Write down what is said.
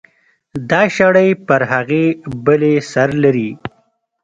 دا شړۍ پر هغې بلې سر لري.